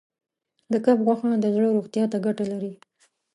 د کب غوښه د زړه روغتیا ته ګټه لري.